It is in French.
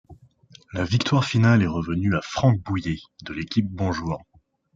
La victoire finale est revenue à Franck Bouyer de l'équipe Bonjour.